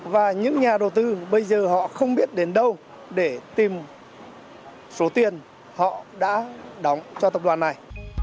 và những nhà đầu tư bây giờ họ không biết đến đâu để tìm số tiền họ đã đóng cho tập đoàn này